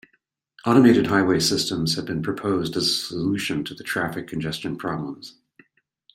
Automated highway systems have been proposed as a solution to the traffic congestion problems.